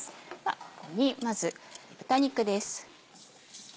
ここにまず豚肉です。